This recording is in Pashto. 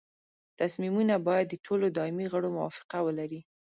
تصمیمونه باید د ټولو دایمي غړو موافقه ولري.